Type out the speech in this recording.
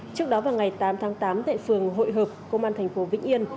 trước đó vào ngày tám tháng tám tại phường hội hợp công an thành phố vĩnh yên